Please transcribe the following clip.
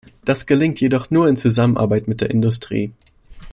Das gelingt jedoch nur in Zusammenarbeit mit der Industrie.